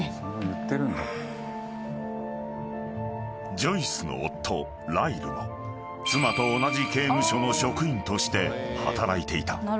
［ジョイスの夫ライルも妻と同じ刑務所の職員として働いていた］